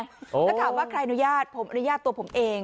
แล้วถามว่าใครอนุญาตผมอนุญาตตัวผมเอง